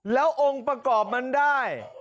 แล้วองค์ประกอบมันได้